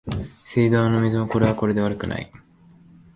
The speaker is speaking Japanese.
水道の水もこれはこれで悪くない